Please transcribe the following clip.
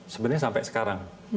sebenarnya sampai sekarang